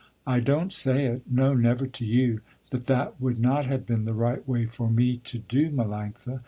I don't say it, no never to you, that that would not have been the right way for me to do, Melanctha.